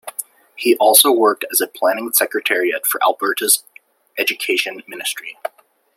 He also worked as a planning secretariat for Alberta's Education ministry.